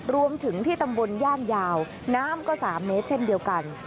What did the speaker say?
รวมถึงที่ตำบลย่านยาวน้ำก็๓เมตรเช่นเดียวกัน